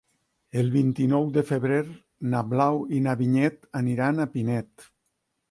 El vint-i-nou de febrer na Blau i na Vinyet aniran a Pinet.